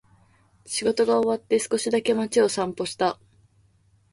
仕事が終わって、少しだけ街を散歩した。